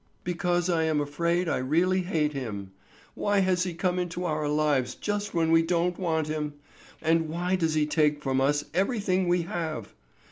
"Because I am afraid I really hate him. Why has he come into our lives just when we don't want him; and why does he take from us everything we have?